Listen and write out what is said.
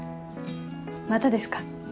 またですか？